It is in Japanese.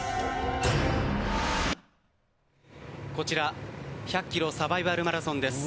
こちら、１００ｋｍサバイバルマラソンです。